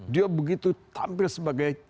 dia begitu tampil sebagai